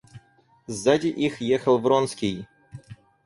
Сзади их ехал Вронский.